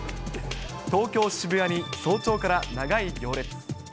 東京・渋谷に早朝から長い行列。